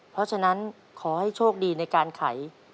เพราะฉะนั้นขอให้โชคดีในการไข